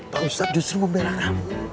pak ustadz justru membela kamu